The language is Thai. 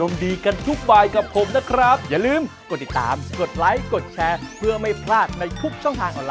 มาบอกย่ายอีกเด้อย่ายบ่อยก่อนเด้อ